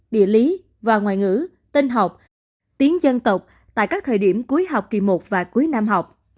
địa lý và ngoại ngữ tinh học tiếng dân tộc tại các thời điểm cuối học kỳ một và cuối năm học